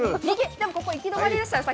でもここさっき行き止まりでしたよ。